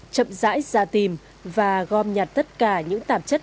sử dụng các thực phẩm